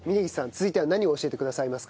続いては何を教えてくださいますか？